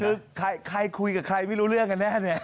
คือใครคุยกับใครไม่รู้เรื่องกันแน่เนี่ย